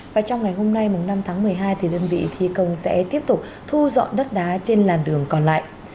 và trong ngày hôm nay năm tháng một mươi hai thì đơn vị thi công sẽ tiếp tục thu dọn đất đá trên làn đường còn lại